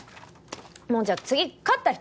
もうじゃあ次勝った人